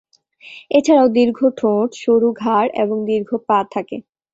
এছাড়াও দীর্ঘ ঠোঁট, সরু ঘাড় এবং দীর্ঘ পা থাকে।